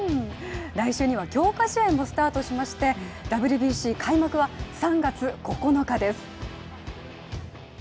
来週には強化試合もスタートしましてＷＢＣ開幕は３月９日です。